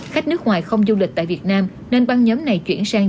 khách nước ngoài không du lịch tại việt nam nên băng nhóm này chuyển sang